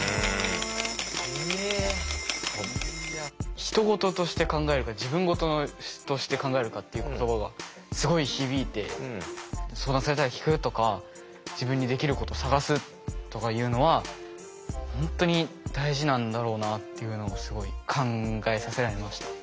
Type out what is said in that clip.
ひと事として考えるか自分事として考えるかっていう言葉がすごい響いて相談されたら聞くとか自分にできること探すとかいうのは本当に大事なんだろうなっていうのをすごい考えさせられました。